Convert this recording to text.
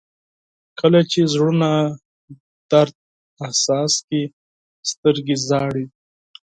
• کله چې زړونه درد احساس کړي، سترګې ژاړي.